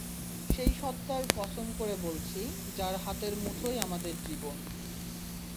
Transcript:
সেই সত্তার কসম করে বলছি, যার হাতের মুঠোয় আমার জীবন।